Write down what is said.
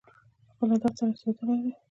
خپل هدف ته رسېدلي دي.